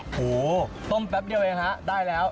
โอ้โฮต้มแป๊บเดียวเองครับได้แล้ว